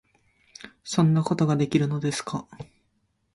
「そんなことができるのですか？」